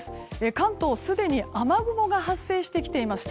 関東、すでに雨雲が発生してきていまして